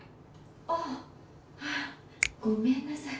ああっフッごめんなさい。